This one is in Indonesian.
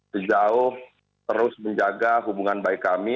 sejauh terus menjaga hubungan baik kami